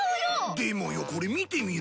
でもよこれ見てみろ。